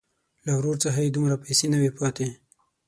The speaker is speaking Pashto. له ورور څخه یې دومره پیسې نه وې پاتې.